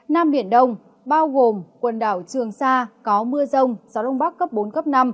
nam biển đông bao gồm quần đảo trường sa có mưa rông gió đông bắc cấp bốn cấp năm